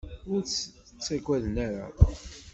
Ur tt-ttagaden ara.